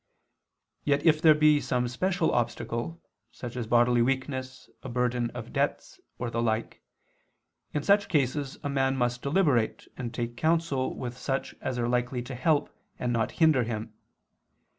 Yet if there be some special obstacle (such as bodily weakness, a burden of debts, or the like) in such cases a man must deliberate and take counsel with such as are likely to help and not hinder him.